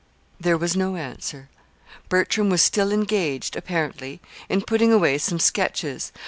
There was no answer. Bertram was still engaged, apparently, in putting away some sketches.